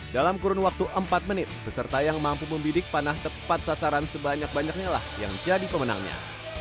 dalam kurun waktu empat menit peserta yang mampu membidik panah tepat sasaran sebanyak banyaknya lah yang jadi pemenangnya